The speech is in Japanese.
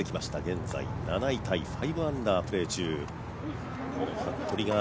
現在７位タイ、５アンダープレー中。